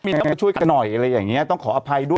อยากจะช่วยกัดหน่อยต้องขออภัยด้วย